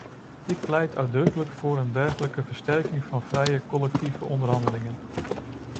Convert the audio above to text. Ik pleit uitdrukkelijk voor een dergelijke versterking van vrije collectieve onderhandelingen.